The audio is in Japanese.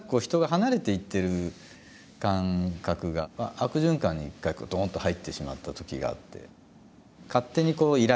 悪循環に一回ドンと入ってしまったときがあって。